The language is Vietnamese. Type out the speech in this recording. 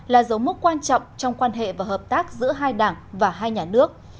là dấu mốc quan trọng trong quan hệ và hợp tác giữa hai đảng và hai nhà nước